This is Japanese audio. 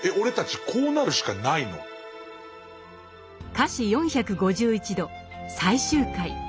「華氏４５１度」最終回。